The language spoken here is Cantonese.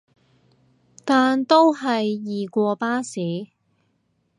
但都係易過巴士